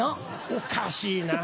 おかしいなぁ。